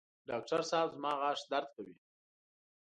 ډاکټر صېب زما غاښ درد کوي